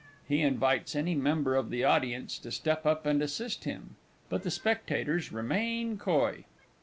(_He invites any member of the Audience to step up and assist him, but the spectators remain coy.